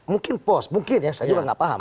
mungkin pos mungkin ya saya juga nggak paham